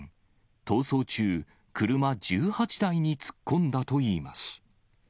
逃走中、車１８台に突っ込んだといいます。